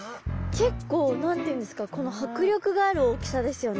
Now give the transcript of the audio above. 結構何て言うんですか迫力がある大きさですよね。